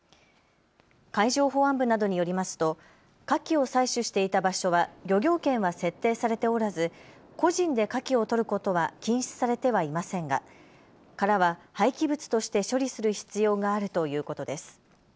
海上保安部などによりますとかきを採取していた場所は漁業権は設定されておらず個人でかきを採ることは禁止されてはいませんが、殻は廃棄物として処理する必要があるということです。